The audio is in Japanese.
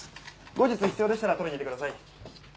後日必要でしたら取りに行ってください。